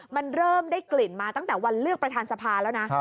มันเริ่มได้กลิ่นมาตั้งแต่วันเลือกประธานสภาแล้วนะ